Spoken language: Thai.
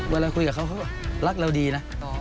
เวลาคุยกับเขาเขาก็รักเราดีนะ